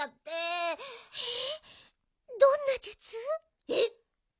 えっどんなじゅつ？えっ！